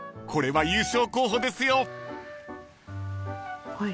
［これは優勝候補ですよ］